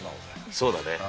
そうだね。